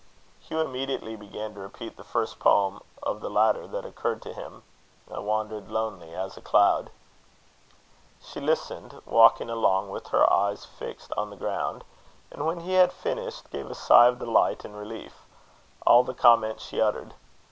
Hugh immediately began to repeat the first poem of the latter that occurred to him: "I wandered lonely as a cloud." She listened, walking along with her eyes fixed on the ground; and when he had finished, gave a sigh of delight and relief all the comment she uttered.